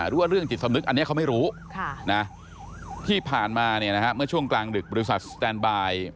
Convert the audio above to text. เรื่องจิตสำนึกอันนี้เขาไม่รู้ที่ผ่านมาเมื่อช่วงกลางดึกบริษัทสแตนบาย